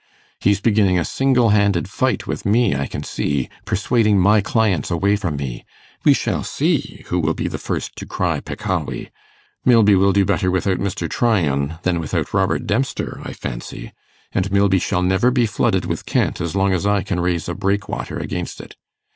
He's beginning a single handed fight with me, I can see persuading my clients away from me. We shall see who will be the first to cry peccavi. Milby will do better without Mr. Tryan than without Robert Dempster, I fancy! and Milby shall never be flooded with cant as long as I can raise a breakwater against it.